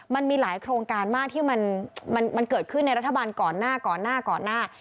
มันมีหลายโครงการมากที่มันเกิดขึ้นในรัฐบาลก่อนหน้าก่อนหน้าก่อนหน้า